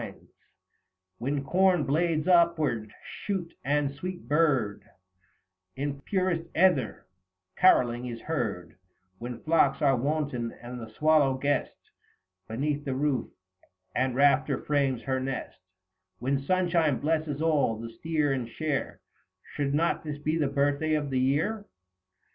THE FASTI. 7 When corn blades upward shoot and the sweet bird, In purest ether, carolling is heard ; When flocks are wanton, and the swallow guest 165 Beneath the roof and rafter frames her nest ; When sunshine blesses all, the steer and share, Should not this be the birthday of the year